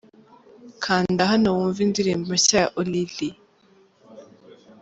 Kanda hano wumve indirimbo nshya ya Olili.